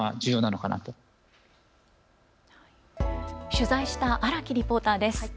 取材した荒木リポーターです。